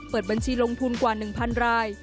บัญชีลงทุนกว่า๑๐๐ราย